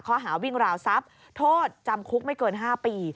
ข้อหาวิ่งราวทรัพย์โทษจำคุกไม่เกิน๕ปี